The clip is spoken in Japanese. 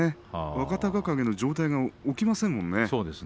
若隆景の上体が起きませんものね。